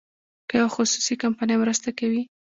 که یوه خصوصي کمپنۍ مرسته کوي.